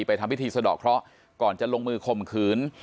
ทำพิธีสะดอกเคราะห์ก่อนจะลงมือข่มขืน